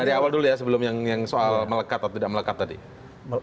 dari awal dulu ya sebelum yang soal melekat atau tidak melekat tadi